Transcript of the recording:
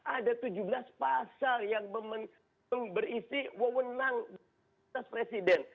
ada tujuh belas pasal yang berisi wewenang presiden